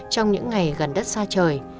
trong những ngày gần đất xa trời